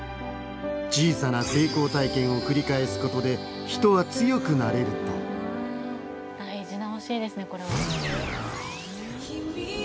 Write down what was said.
小さな成功体験を繰り返すことで人は強くなれると大事な教えですねこれは。